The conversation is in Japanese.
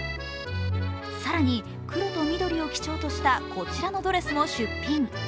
更に、黒と緑を基調としたこちらのドレスも出品。